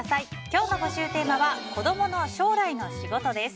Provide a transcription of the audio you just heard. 今日の募集テーマは子供の将来の仕事です。